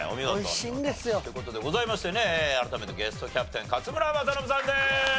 美味しいんですよ。という事でございましてね改めてゲストキャプテン勝村政信さんです！